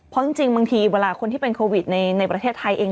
เพราะจริงบางทีเวลาคนที่เป็นโควิดในประเทศไทยเอง